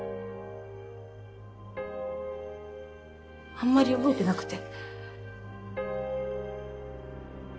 あんまり覚えてなくて。